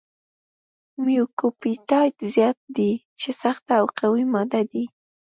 میوکوپپټایډ زیات دی چې سخته او قوي ماده ده.